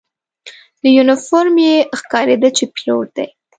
له یونیفورم یې ښکارېده چې پیلوټ دی.